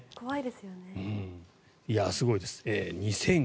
すごいです。